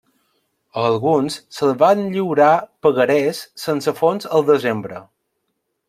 A alguns se'ls van lliurar pagarés sense fons al desembre.